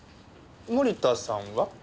森田さんは？